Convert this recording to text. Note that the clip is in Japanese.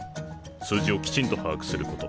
数字をきちんと把握すること。